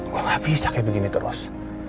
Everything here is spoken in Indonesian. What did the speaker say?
wah gak bisa kayak begini terus